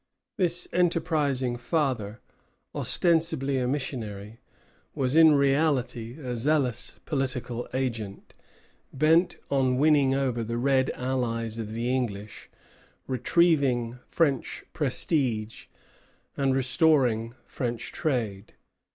This enterprising father, ostensibly a missionary, was in reality a zealous political agent, bent on winning over the red allies of the English, retrieving French prestige, and restoring French trade.